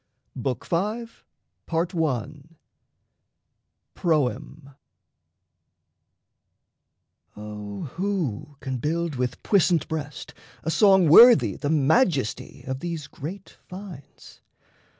BOOK V PROEM O WHO can build with puissant breast a song Worthy the majesty of these great finds?